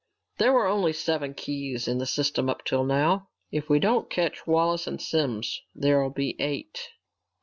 There were only seven keys in the system up to now. If we don't catch Wallace and Simms, there'll be eight."